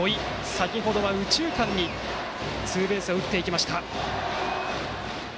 先程は右中間にツーベースを打っていきました。